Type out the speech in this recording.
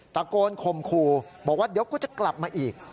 ตะโกนคมครูบอกว่าเดี๋ยวกูจะกลับมาอีก